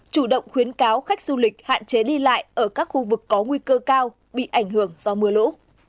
chủ động khuyến cáo khách du lịch hạn chế đi lại ở các khu vực có nguy cơ cao bị ảnh hưởng do mưa lũ